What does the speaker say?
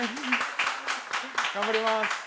頑張ります！